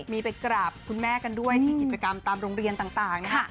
มีไปกราบคุณแม่กันด้วยที่กิจกรรมตามโรงเรียนต่างนะคะ